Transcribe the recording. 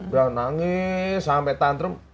udah nangis sampai tantrum